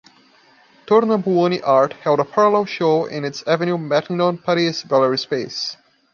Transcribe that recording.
Tornabuoni art held a parallel show in its Avenue Matignon Paris gallery space.